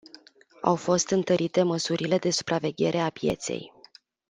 Au fost întărite măsurile de supraveghere a pieței.